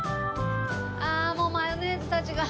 ああもうマヨネーズたちが。